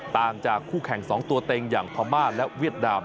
ต่างจากคู่แข่ง๒ตัวเต็งอย่างพม่าและเวียดนาม